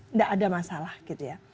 nggak ada masalah gitu ya